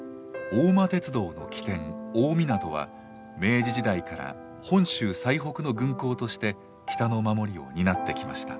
大湊は明治時代から本州最北の軍港として北の護りを担ってきました。